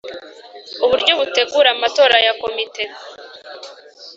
uburyo butegura amatora ya Komite